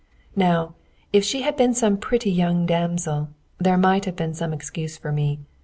Now, if she had been some pretty young damsel, there might have been some excuse for me.